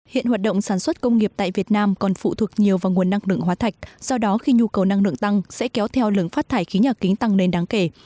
hiện hoạt động sản xuất công nghiệp tại việt nam còn phụ thuộc nhiều vào nguồn năng lượng hóa thạch do đó khi nhu cầu năng lượng tăng sẽ kéo theo lưỡng phát thải khí nhà kính tăng lên đáng kể